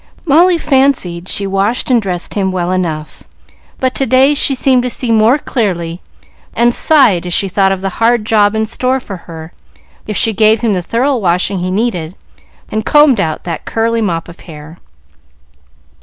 Molly fancied she washed and dressed him well enough; but to day she seemed to see more clearly, and sighed as she thought of the hard job in store for her if she gave him the thorough washing he needed, and combed out that curly mop of hair.